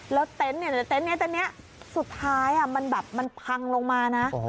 แล้วเต็นต์เนี่ยเต็นต์นี้สุดท้ายมันแบบพังลงมานะ